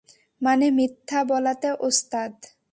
মানে, মিথ্যা বলাতে ওস্তাদ।